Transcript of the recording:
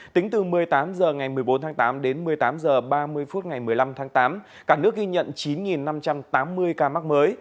tính từ một mươi tám h ngày một mươi bốn tháng tám đến một mươi tám h ba mươi phút ngày một mươi năm tháng tám cả nước ghi nhận chín năm trăm tám mươi ca mắc mới